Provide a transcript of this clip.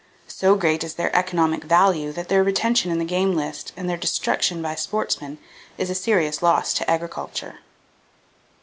So great is their economic value that their retention in the game list and their destruction by sportsmen is a serious loss to agriculture."